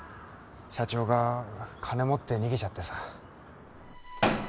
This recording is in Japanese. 社長が金持って逃げちゃってさ。